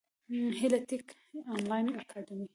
هیله ټېک انلاین اکاډمي